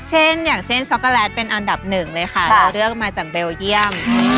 อย่างเช่นช็อกโกแลตเป็นอันดับหนึ่งเลยค่ะเราเลือกมาจากเบลเยี่ยม